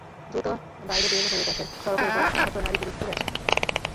দ্রুত বাইরে বের হয়ে দেখেন, সড়কের ওপর আহত নারী-পুরুষ পড়ে আছেন।